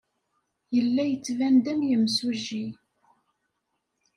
Yella yettban-d am yemsujji.